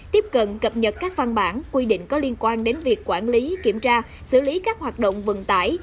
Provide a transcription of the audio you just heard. tiếp cận cập nhật các văn bản quy định có liên quan đến việc quản lý kiểm tra xử lý các hoạt động vận tải